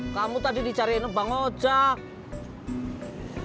kamu tadi dicariin emang ngojek